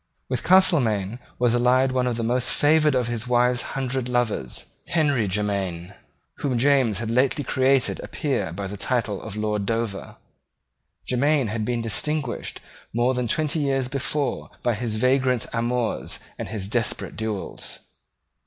With Castelmaine was allied one of the most favoured of his wife's hundred lovers, Henry Jermyn, whom James had lately created a peer by the title of Lord Dover. Jermyn had been distinguished more than twenty years before by his vagrant amours and his desperate duels.